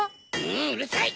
うるさい！